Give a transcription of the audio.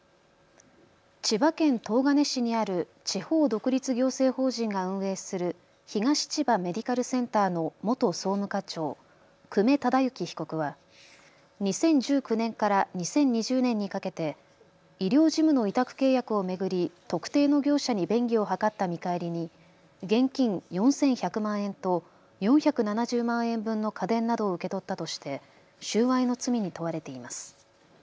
千葉県東金市にある地方独立行政法人が運営する東千葉メディカルセンターの元総務課長、久米忠之被告は２０１９年から２０２０年にかけて医療事務の委託契約を巡り特定の業者に便宜を図った見返りに現金４１００万円と４７０万円分の家電などを受け取ったとして収賄の罪に問われています。